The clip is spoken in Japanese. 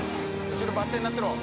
後ろバッテンなってる？